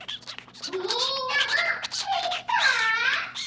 みんなもできた？